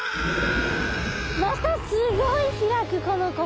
またすごい開くこの子。